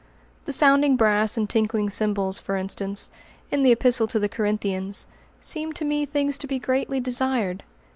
The "sounding brass and tinkling cymbals," for instance, in the Epistle to the Corinthians, seemed to me things to be greatly desired.